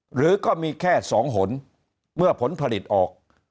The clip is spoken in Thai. หรือก็มีแค่๒หนเมื่อผลผลิตออก